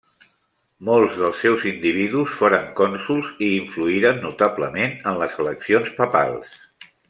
Molts dels seus individus foren cònsols i influïren notablement en les eleccions papals.